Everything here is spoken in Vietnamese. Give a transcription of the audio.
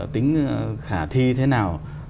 tính khả thi thế nào